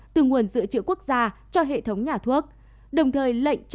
từ nguồn dự trữ quốc gia cho hệ thống nhà thuốc